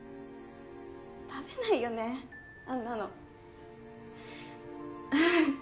食べないよねあんなの。ははっ。